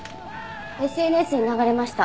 ＳＮＳに流れました。